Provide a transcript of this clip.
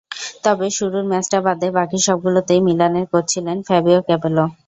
তবে শুরুর ম্যাচটা বাদে বাকি সবগুলোতেই মিলানের কোচ ছিলেন ফাবিও ক্যাপেলো।